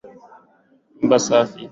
Nyumba safi.